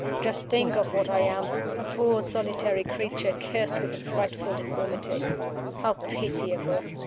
Just think of what I am! A poor solitary creature, cursed with a frightful deformity. How pitiable!